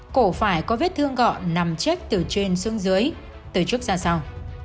cổ phải có vết thương gọn nằm chết từ trên xương dưới từ trước ra sau